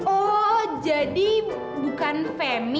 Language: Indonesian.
oh jadi bukan femi